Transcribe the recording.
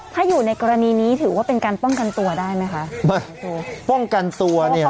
ถ้าอยู่ในกรณีนี้ถือว่าเป็นการป้องกันตัวได้ไหมคะป้องกันตัวเนี่ย